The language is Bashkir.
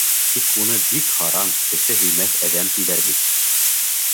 Тик уны бик һаран, кеше һөймәҫ әҙәм, тиҙәр бит.